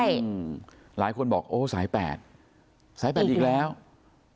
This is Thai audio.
หือหลายคนบอกอั๊วสายแปดสายแปดอีกแล้วอีกแล้ว